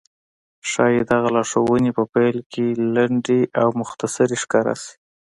ښايي دغه لارښوونې په پيل کې لنډې او مختصرې ښکاره شي.